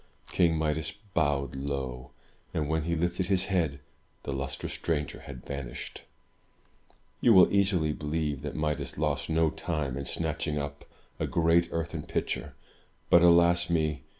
King Midas bowed low; and when he lifted his head, the lustrous stranger had vanished. You will easily believe that Midas lost no time in snatching up a great earthen pitcher (but, alas me!